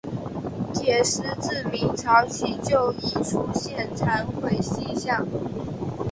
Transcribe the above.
铁狮自明朝起就已出现残毁迹象。